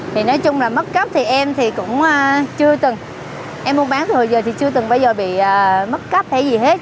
thì nói chung là mất cấp thì em thì cũng chưa từng em mua bán từ hồi giờ thì chưa từng bao giờ bị mất cấp hay gì hết